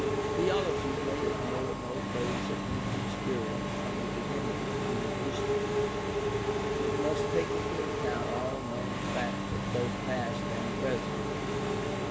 Theology may ignore no phase of human experience from the beginning of human history. It must take into account all known facts of both past and present.